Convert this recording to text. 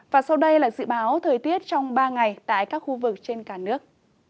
và sau đây là dự báo thời tiết trong ba ngày tại các khu vực trên cả nước